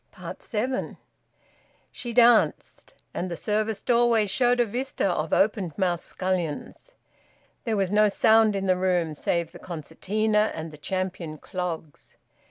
SEVEN. She danced; and the service doorway showed a vista of open mouthed scullions. There was no sound in the room, save the concertina and the champion clogs.